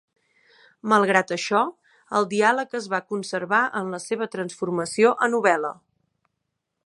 Malgrat això, el diàleg es va conservar en la seva transformació a novel·la.